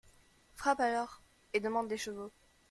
Frappe alors, et demande des chevaux.